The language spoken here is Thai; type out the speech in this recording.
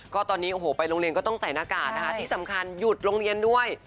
ก็ตอนนี้โอ้โหไปโรงเรียนก็ต้องใส่หน้ากากนะคะที่สำคัญหยุดโรงเรียนด้วย